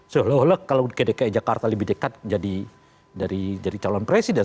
seolah olah kalau ke dki jakarta lebih dekat jadi calon presiden